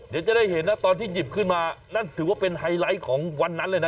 เดี๋ยวจะได้เห็นนะตอนที่หยิบขึ้นมานั่นถือว่าเป็นไฮไลท์ของวันนั้นเลยนะ